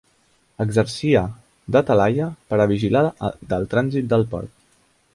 Exercia de talaia per a vigilar del trànsit del port.